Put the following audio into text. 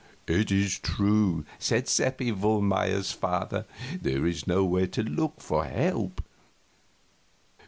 "It is true," said Seppi Wohlmeyer's father; "there is nowhere to look for help."